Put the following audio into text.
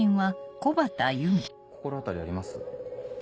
心当たりあります？